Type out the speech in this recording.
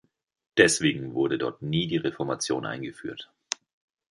Deswegen wurde dort nie die Reformation eingeführt.